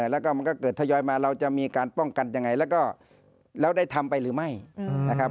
แล้วก็มันก็เกิดทยอยมาเราจะมีการป้องกันยังไงแล้วก็แล้วได้ทำไปหรือไม่นะครับ